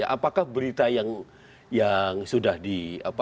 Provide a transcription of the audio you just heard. apakah berita yang sudah di